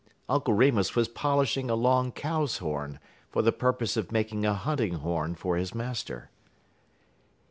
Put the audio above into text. Uncle Remus was polishing a long cow's horn, for the purpose of making a hunting horn for his master.